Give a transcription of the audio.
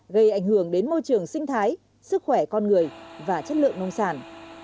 gây ảnh hưởng đến môi trường sinh thái sức khỏe con người và chất lượng nông sản